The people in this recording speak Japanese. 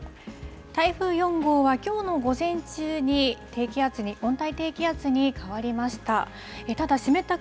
台風４号はきょうの午前中に温帯低気圧に変わりました。